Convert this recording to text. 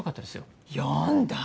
読んだ？